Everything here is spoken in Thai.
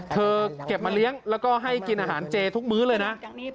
เก็บมาเลี้ยงแล้วก็ให้กินอาหารเจทุกมื้อเลยนะ